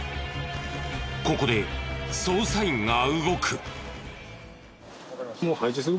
ここで捜査員が動く。